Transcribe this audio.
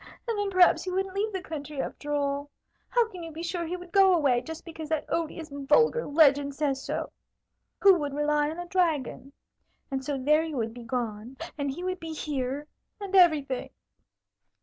And then perhaps he wouldn't leave the country, after all. How can you be sure he would go away, just because that odious, vulgar legend says so? Who would rely on a dragon? And so there you would be gone, and he would be here, and everything!"